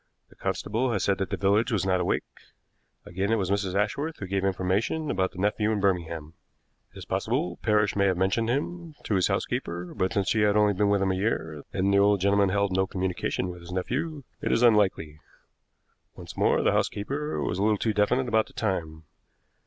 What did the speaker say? The constable had said that the village was not awake. Again, it was Mrs. Ashworth who gave information about the nephew in Birmingham. It is possible Parrish may have mentioned him to his housekeeper, but, since she had only been with him a year, and the old gentleman held no communication with his nephew, it is unlikely. Once more, the housekeeper was a little too definite about the time.